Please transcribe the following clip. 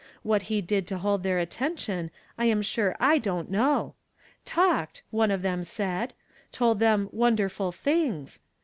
What lie did to hold their attention, j am sure I don't know. 'Talked,' one of them said; told them Mnmderfnl thinos.'